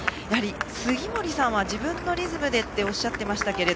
杉森さんは自分のリズムでとおっしゃってましたけど